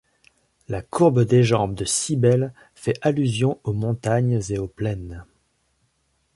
La courbe des jambes de Cybèle fait allusion aux montagnes et aux plaines.